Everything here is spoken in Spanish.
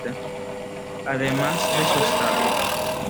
Además de su Estadio.